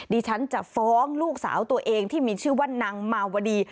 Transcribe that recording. ดิฉันจะฟ้องลูกสาวตัวเองที่มีชื่อว่านางมาวดี